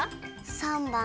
３ばん。